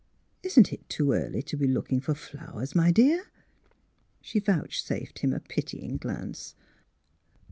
'' Isn't it too early to be looking for flowers, my dearl " She vouchsafed him a pitying glance.